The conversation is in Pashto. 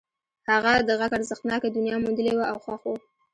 هغه د غږ ارزښتناکه دنيا موندلې وه او خوښ و.